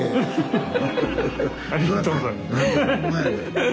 ありがとうございます。